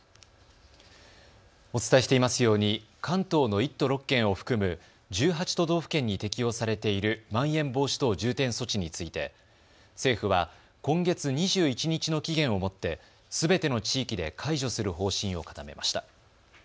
お伝えしていますように関東の１都６県を含む１８都道府県に適用されているまん延防止等重点措置について政府は今月２１日の期限をもってすべての地域で解除する方針を固めました。